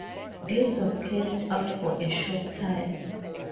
This was carried out for a short time.